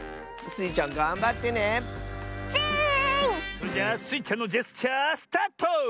それじゃあスイちゃんのジェスチャースタート！